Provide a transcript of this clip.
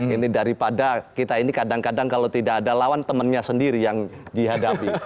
ini daripada kita ini kadang kadang kalau tidak ada lawan temannya sendiri yang dihadapi